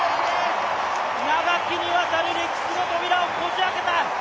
長きにわたる歴史の扉をこじあけた！